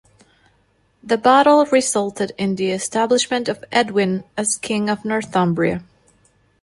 The battle resulted in the establishment of Edwin as king of Northumbria.